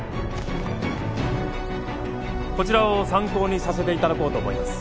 こちらを参考にさせて頂こうと思います。